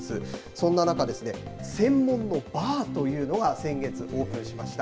そんな中、専門のバーというのが、先月オープンしました。